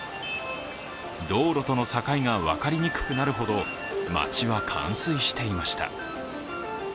道路との境が分かりにくくなるほど街は冠水していました。